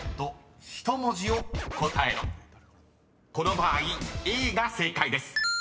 ［この場合「ａ」が正解です。